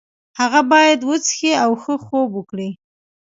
هغه باید وڅښي او ښه خوب وکړي.